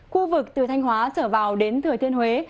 khu vực từ thanh hóa trở vào đến thừa thiên huế